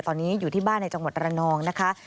ตอนนี้อยู่ที่บ้านในจังหวัดระนองนะคะ